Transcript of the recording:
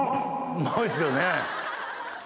うまいですよね！